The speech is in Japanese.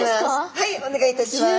はいお願いいたします。